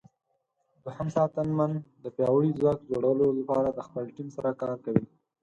دوهم ساتنمن د پیاوړي ځواک جوړولو لپاره د خپل ټیم سره کار کوي.